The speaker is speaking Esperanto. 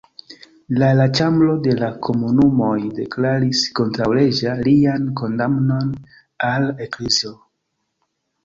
La la Ĉambro de la Komunumoj deklaris kontraŭleĝa lian kondamnon al ekzilo.